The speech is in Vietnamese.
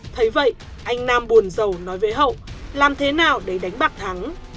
thấy vậy anh nam buồn giàu nói với hậu làm thế nào để đánh bạc thắng